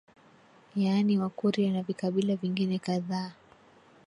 yaani Wakurya na vikabila vingine kadhaa